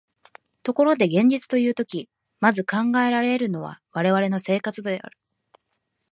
ところで現実というとき、まず考えられるのは我々の生活である。